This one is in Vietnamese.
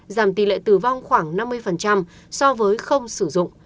giảm tỷ lệ tử vong khoảng năm mươi so với không sử dụng